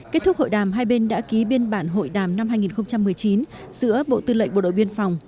kết thúc hội đàm hai bên đã ký biên bản hội đàm năm hai nghìn một mươi chín giữa bộ tư lệnh bộ đội biên phòng